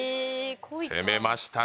攻めましたね。